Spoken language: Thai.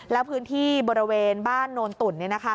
แล้วพื้นที่บริเวณบ้านโนนตุ่น